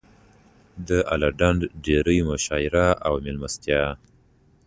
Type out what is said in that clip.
د اله ډنډ ډېرۍ مشاعره او مېلمستیا.